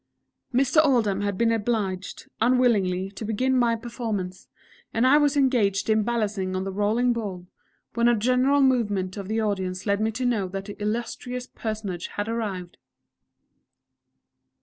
Mr. Oldham had been obliged, unwillingly, to begin my performance, and I was engaged in balancing on the Rolling Ball, when a general movement of the audience led me to know that the illustrious Personage had arrived.